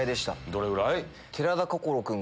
どれぐらい？